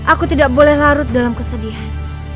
aku tidak boleh larut dalam kesedihan